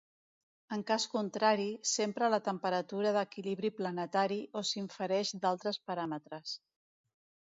En cas contrari, s'empra la temperatura d'equilibri planetari o s'infereix d'altres paràmetres.